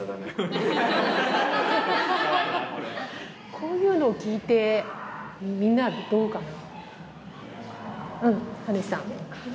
こういうのを聞いてみんなはどうかな？